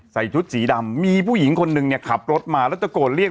ใส่ชุดสีดำมีผู้หญิงคนหนึ่งเนี่ยขับรถมาแล้วตะโกนเรียก